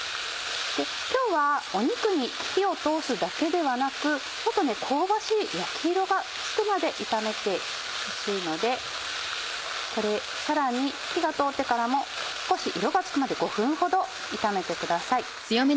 今日は肉に火を通すだけではなく香ばしい焼き色がつくまで炒めてほしいのでさらに火が通ってからも少し色がつくまで５分ほど炒めてください。